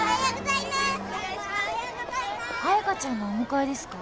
彩香ちゃんのお迎えですか？